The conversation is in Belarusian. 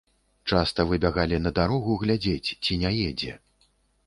Часта выбягалі на дарогу глядзець, ці не едзе.